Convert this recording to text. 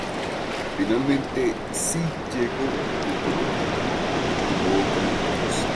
Finalmente sí llegó con Toluca pero tampoco jugó gran cosa.